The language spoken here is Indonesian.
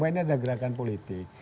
ini adalah gerakan politik